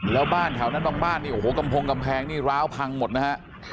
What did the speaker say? แล้วบ้านแถวนั้นบางบ้านนี่โอ้โหกำพงกำแพงนี่ร้าวพังหมดนะฮะ